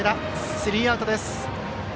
スリーアウトです。